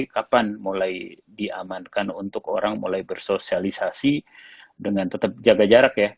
kapan mulai diamankan untuk orang mulai bersosialisasi dengan tetap jaga jarak ya